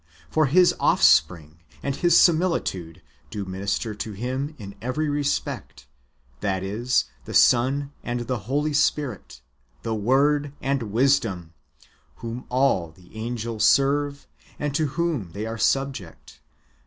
For His offspiing and His similitude ^ do minister to Him in every respect ; that is, the Son and the Holy Spirit, the Word and Wisdom ; whom all the angels serve, and to whom they are subject.